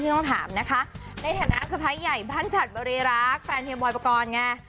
ต้องถามนะคะในฐานะสะพ้ายใหญ่บ้านฉัดบริรักษ์แฟนเฮียบอยปกรณ์ไง